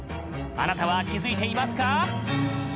あなたは気付いていますか？